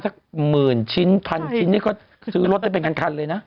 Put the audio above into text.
สักหมื่นชิ้นพันชิ้นนี่ก็ซื้อรถได้เป็นคันเลยนะ